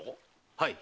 はい。